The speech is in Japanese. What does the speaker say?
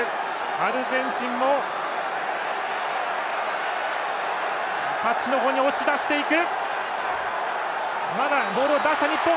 アルゼンチンもタッチのほうに押し出していく。